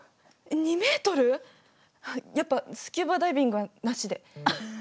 やっぱスキューバダイビングはなしで。